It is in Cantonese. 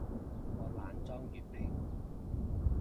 我懶裝粵拼